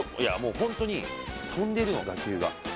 ホントに飛んでるの打球が。